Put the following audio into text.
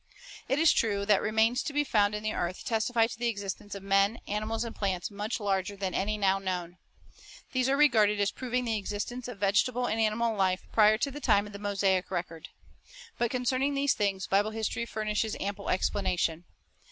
It is true that remains found in the earth testify to the existence of men, animals, and plants much larger than any now known. These are regarded as proving the existence of vegetable and animal life prior to the time of the Mosaic record. But concerning these things Bible history furnishes ample explanation.